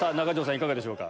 いかがでしょうか？